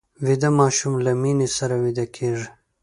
ویده ماشوم له مینې سره ویده کېږي